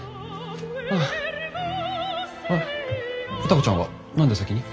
歌子ちゃんは何で先に？